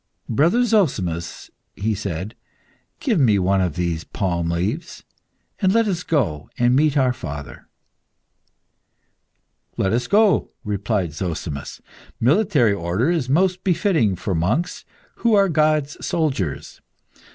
"Brother Zozimus," he said, "give me one of these palm leaves, and let us go and meet our father." "Let us go," replied Zozimus; "military order is most befitting for monks, who are God's soldiers.